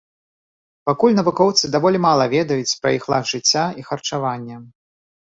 Пакуль навукоўцы даволі мала ведаюць пра іх лад жыцця і харчаванне.